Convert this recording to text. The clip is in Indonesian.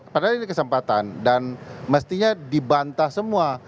padahal ini kesempatan dan mestinya dibantah semua